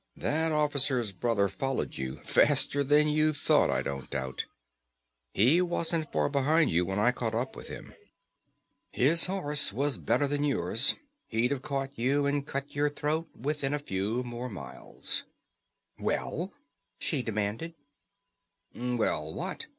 That officer's brother followed you; faster than you thought, I don't doubt. He wasn't far behind you when I caught up with him. His horse was better than yours. He'd have caught you and cut your throat within a few more miles." "Well?" she demanded. "Well what?"